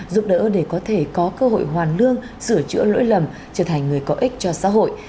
giúp đỡ để có thể có cơ hội hoàn lương sửa chữa lỗi lầm trở thành người có ích cho xã hội